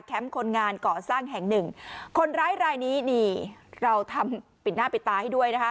คนงานเกาะสร้างแห่งหนึ่งคนร้ายรายนี้นี่เราทำปิดหน้าปิดตาให้ด้วยนะคะ